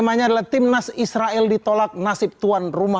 jangan lupa like share dan subscribe